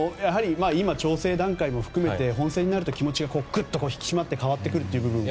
今、調整段階も含めて本戦になると気持ちがぐっと引き締まって変わってくる部分が。